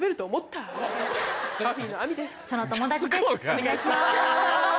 お願いします。